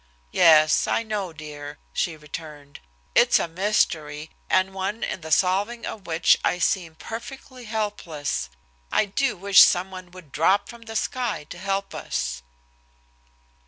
"Yes, I know, dear," she returned. "It's a mystery, and one in the solving of which I seem perfectly helpless. I do wish someone would drop from the sky to help us."